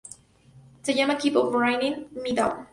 Se llama Keep on Bringing Me Down.